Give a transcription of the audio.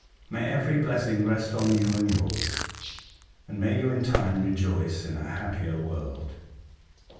May every blessing rest on you and yours, and may you in time rejoice in a happier world